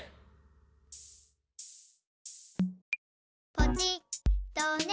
「ポチッとね」